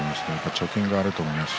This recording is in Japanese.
貯金があると思うんです。